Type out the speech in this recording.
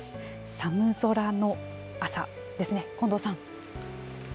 寒空の朝ですね、近藤さん。